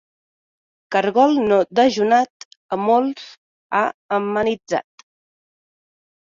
Caragol no dejunat a molts ha emmetzinat.